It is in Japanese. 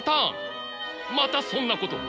またそんなことを！